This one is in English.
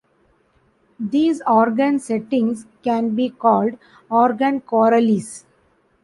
These organ settings can be called "organ chorales".